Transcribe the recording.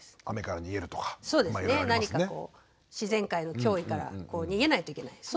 何かこう何か自然界の脅威から逃げないといけない。